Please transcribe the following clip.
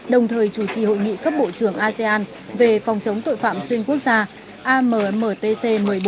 đồng thời chủ trì hội nghị cấp bộ trưởng asean về phòng chống tội phạm xuyên quốc gia ammtc một mươi bốn